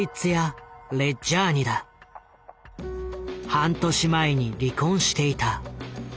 半年前に離婚していた。